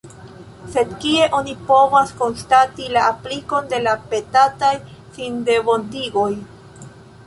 Sed kie oni povas konstati la aplikon de la petataj sindevontigoj?